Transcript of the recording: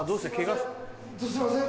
すいません